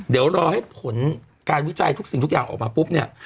เดี๋ยวรอให้ผลการวิจัยทุกสิ่งทุกอย่างออกมาปุ๊บเนี่ย